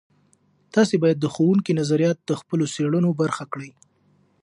تاسې باید د ښوونکو نظریات د خپلو څیړنو برخه کړئ.